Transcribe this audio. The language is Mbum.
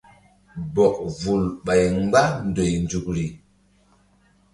Bɔk vul ɓay mgba ndoy nzukri.